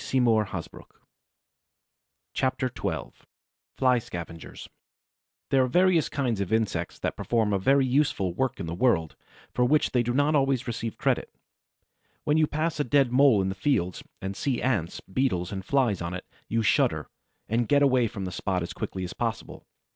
CHAPTER XII FLY SCAVENGERS There are various kinds of insects that perform a very useful work in the world, for which they do not always receive credit. When you pass a dead Mole in the fields, and see Ants, Beetles and Flies on it, you shudder and get away from the spot as quickly as possible.